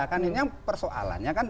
kan ini persoalannya kan